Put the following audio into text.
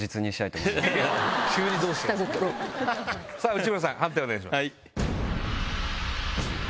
内村さん判定をお願いします。